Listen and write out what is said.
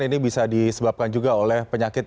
ini bisa disebabkan juga oleh penyakit